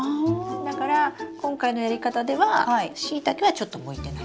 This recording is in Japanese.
だから今回のやり方ではシイタケはちょっと向いてない。